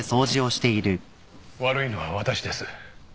悪いのは私です。